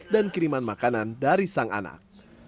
dan kiriman makanan dari sang anak